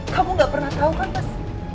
kamu gak pernah tahu kan mas